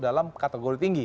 dalam kategori tinggi